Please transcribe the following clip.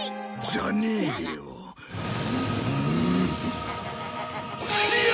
じゃねえよ！